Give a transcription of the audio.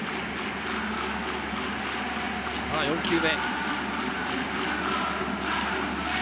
４球目。